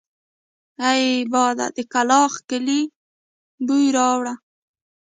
اې باده د کلاخ کلي بوی راوړه!